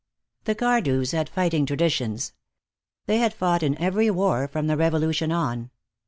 The Cardews had fighting traditions. They had fought in every war from the Revolution on.